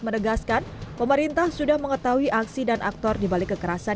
menegaskan pemerintah sudah mengetahui aksi dan aktor dibalik kekerasan